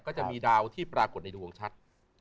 ก็จะมีดาวที่ปรากฏในดวงชัด